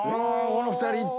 この２人いった。